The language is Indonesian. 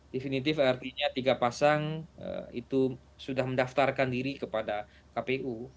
definitif artinya tiga pasang itu sudah mendaftarkan diri kepada kpu